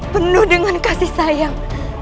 penuh dengan kasih sayang